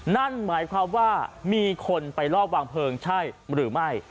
นั่นหมายความว่ามีคนไปลอบวางเพลิงใช่หรือไม่